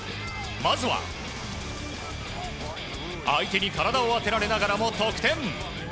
まずは相手に体を当てられながらも得点。